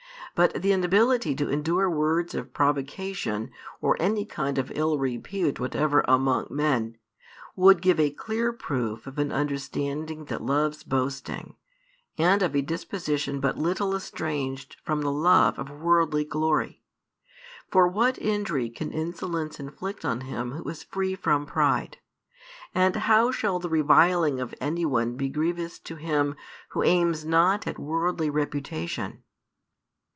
But the inability to endure words of provocation or any kind of ill repute whatever among men, would give a clear proof of an understanding that loves boasting, and of a disposition but little estranged from the love of worldly glory. For what injury can insolence inflict on him who is free from pride? And how shall the reviling of any one be grievous to him who aims not at worldly reputation?